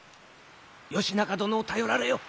義仲殿を頼られよ。